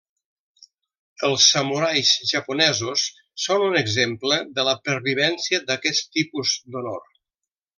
Els samurais japonesos són un exemple de la pervivència d'aquest tipus d'honor.